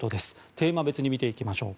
テーマ別に見ていきましょう。